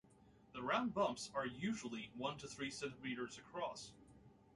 The round bumps are usually one to three centimeters across.